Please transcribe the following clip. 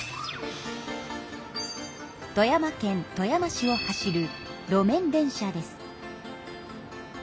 富山県富山市を走る路面電車です。